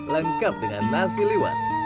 lengkap dengan nasi liwet